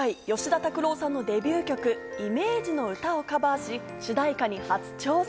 今回、吉田拓郎さんのデビュー曲『イメージの詩』をカバーし、主題歌に初挑戦。